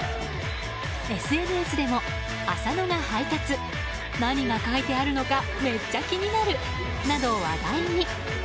ＳＮＳでも「浅野が配達」「何が書いてあるのかめっちゃ気になる！」など話題に。